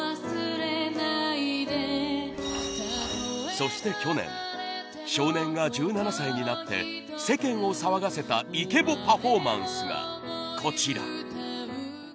そして去年少年が１７歳になって世間を騒がせたイケボパフォーマンスがこちら。